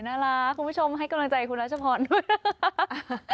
น่ารักคุณผู้ชมให้กำลังใจคุณรัชพรด้วย